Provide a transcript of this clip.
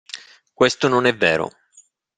Questo non è vero.